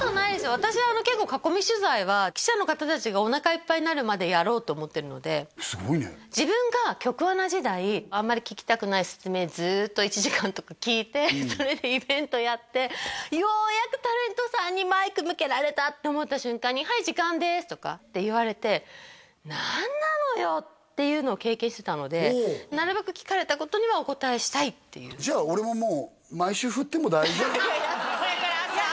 私は結構囲み取材は記者の方達がおなかいっぱいになるまでやろうって思ってるのですごいね自分が局アナ時代あんまり聞きたくない説明ずっと１時間とか聞いてそれでイベントやってようやくタレントさんにマイク向けられたって思った瞬間に「はい時間です」とかって言われてっていうのを経験してたのでなるべく聞かれたことにはおこたえしたいっていうじゃあ俺ももうこれから朝？